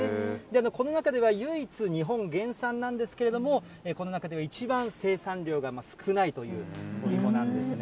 この中では唯一日本原産なんですけれども、この中では一番生産量が少ないというお芋なんですね。